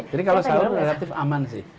jadi kalau saur relatif aman sih